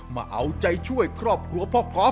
มาเอาใจช่วยครอบครัวพ่อครอฟต์กันต่อครับ